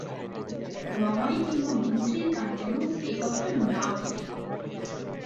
রমাই কিংবা মন্ত্রীর কানে যেন এ-কথা না উঠে।